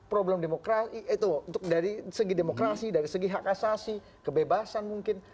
problem demokrasi itu dari segi demokrasi dari segi hak asasi kebebasan mungkin